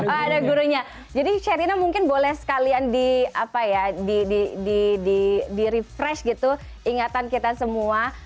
oh ada gurunya jadi sherina mungkin boleh sekalian di refresh gitu ingatan kita semua